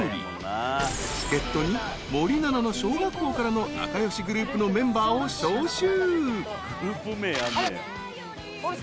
［助っ人に森七菜の小学校からの仲良しグループのメンバーを招集］